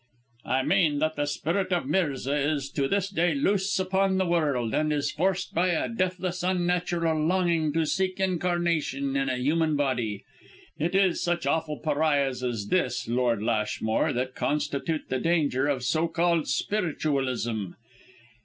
"I mean that the spirit of Mirza is to this day loose upon the world, and is forced, by a deathless, unnatural longing to seek incarnation in a human body. It is such awful pariahs as this, Lord Lashmore, that constitute the danger of so called spiritualism.